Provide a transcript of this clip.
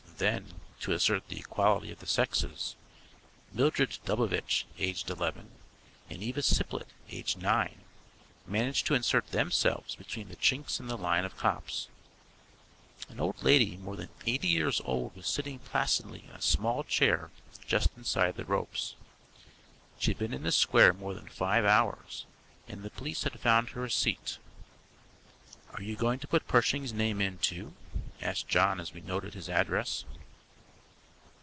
Then, to assert the equality of the sexes, Mildred Dubivitch, aged eleven, and Eva Ciplet, aged nine, managed to insert themselves between the chinks in the line of cops. An old lady more than eighty years old was sitting placidly in a small chair just inside the ropes. She had been in the square more than five hours, and the police had found her a seat. "Are you going to put Pershing's name in, too?" asked John as we noted his address.